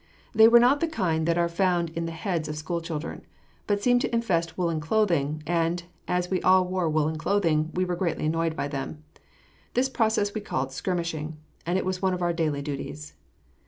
They were not the kind that are found in the heads of school children, but seemed to infest woolen clothing, and, as we all wore woolen clothing, we were greatly annoyed by them. This process we called "skirmishing," and it was one of our daily duties.